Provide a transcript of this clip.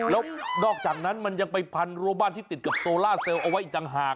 แล้วนอกจากนั้นมันยังไปพันรัวบ้านที่ติดกับโซล่าเซลล์เอาไว้อีกต่างหาก